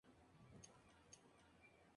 Además esta fiesta ronda en Petróleos.